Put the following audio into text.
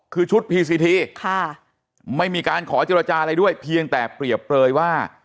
คือชุดพีซีทีค่ะไม่มีการขอเจรจาอะไรด้วยเพียงแต่เปรียบเปลยว่า